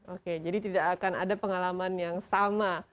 oke jadi tidak akan ada pengalaman yang sama